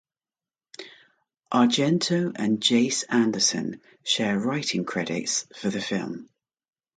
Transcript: Argento and Jace Anderson share writing credits for the film.